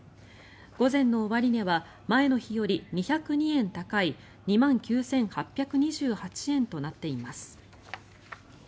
午前の終値は前の日より２０２円高い２万９８２８円となっています。